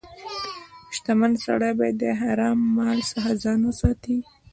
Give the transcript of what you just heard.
• شتمن سړی باید د حرام مال څخه ځان وساتي.